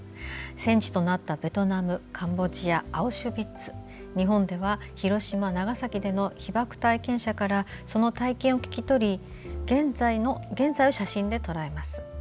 戦地となったベトナムカンボジア、アウシュヴィッツ日本では広島、長崎での被爆体験者からその体験を聞き取り現在を写真でとらえます。